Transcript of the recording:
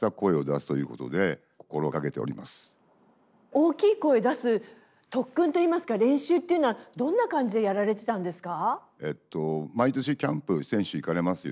大きい声出す特訓といいますか練習っていうのはどんな感じでやられてたんですか？